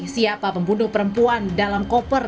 siapa pembunuh perempuan dalam koper